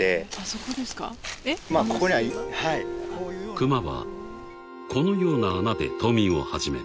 ［クマはこのような穴で冬眠を始める］